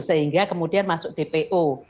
sehingga kemudian masuk dpo